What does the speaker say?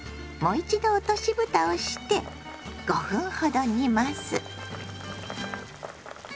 もう一度落としぶたをして５分ほど煮ます。